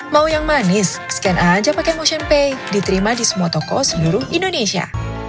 mau yang manis scan aja pake motionpay diterima di semua toko seluruh indonesia